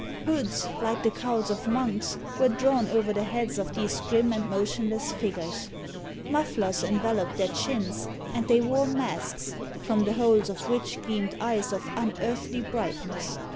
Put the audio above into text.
Hoods, like the cowls of monks, were drawn over the heads of these grim and motionless figures; mufflers enveloped their chins, and they wore masks, from the holes of which gleamed eyes of unearthly brightness.